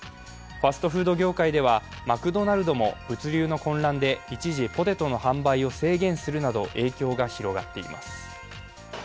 ファストフード業界では、マクドナルドも物流の混乱で一時、ポテトの販売を制限するなど影響が広がっています。